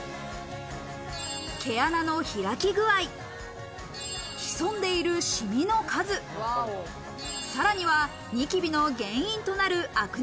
毛穴の開き具合、潜んでいるシミの数、さらにはニキビの原因となるアクネ